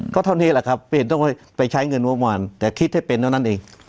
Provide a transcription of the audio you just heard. ก็เท่านี้แหละครับเปลี่ยนต้องไปใช้เงินงบประมาณแต่คิดให้เป็นเท่านั้นเอง